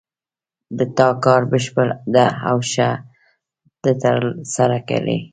د تا کار بشپړ ده او ښه د ترسره کړې